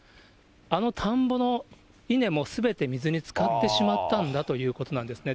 あの田んぼの稲もすべて水につかってしまったんだということなんですね。